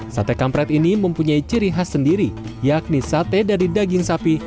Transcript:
sate kampret ini mempunyai ciri khas sendiri yakni sate dari daging sapi